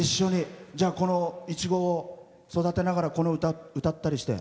このいちごを育てながらこの歌を歌ったりして。